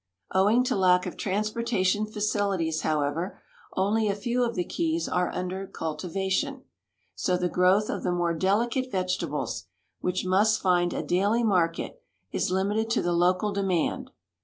Owing to lack of transportation facilities, however, onl}' a few of the keys are under cultivation ; so the growth of the more delicate vegetables, ACROSS THE GULF. BY RAIL TO KEY WEST 207 which must find a daily market, is limited to the local demand.